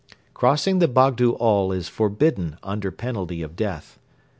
Crossing the Bogdo Ol is forbidden under penalty of death.